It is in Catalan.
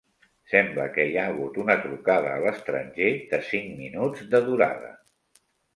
Sembla que hi ha hagut una trucada a l'estranger, de cinc minuts de durada.